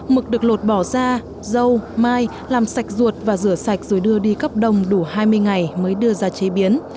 mực được lột bỏ ra dâu mai làm sạch ruột và rửa sạch rồi đưa đi cấp đồng đủ hai mươi ngày mới đưa ra chế biến